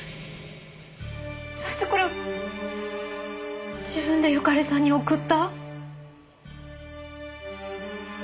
そしてこれを自分で由香利さんに送った？